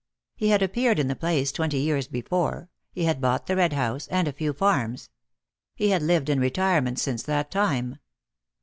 He had appeared in the place twenty years before; he had bought the Red House, and a few farms; he had lived in retirement since that time.